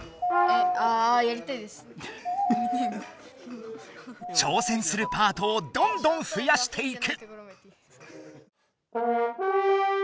あ挑戦するパートをどんどん増やしていく。